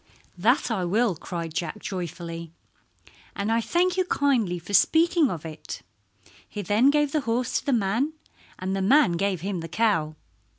"That I will," cried Jack joyfully, "and I thank you kindly for speaking of it." He then gave the horse to the man, and the man gave him the cow.